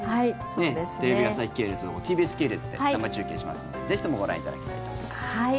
テレビ朝日系列とＴＢＳ系列で生中継しますのでぜひともご覧いただきたいと思います。